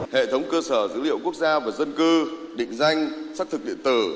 hệ thống cơ sở dữ liệu quốc gia về dân cư định danh xác thực điện tử